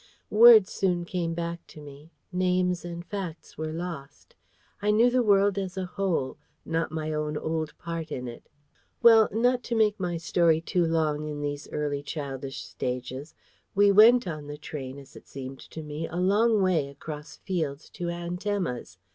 Words soon came back to me: names and facts were lost: I knew the world as a whole, not my own old part in it. Well, not to make my story too long in these early childish stages, we went on the train, as it seemed to me, a long way across fields to Aunt Emma's.